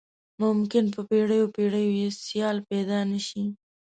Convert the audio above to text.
ممکن په پیړیو پیړیو یې سیال پيدا نه شي.